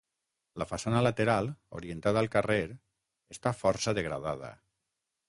La façana lateral, orientada al carrer, està força degradada.